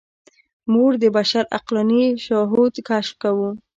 موږ د بشر عقلاني شهود کشف کوو.